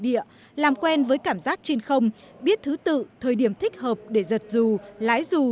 địa làm quen với cảm giác trên không biết thứ tự thời điểm thích hợp để giật dù lái dù